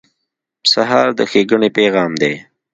سهار د ښېګڼې پیغام دی.